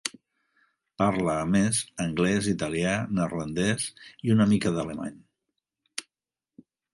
Parla, a més, anglès, italià, neerlandès i una mica d'alemany.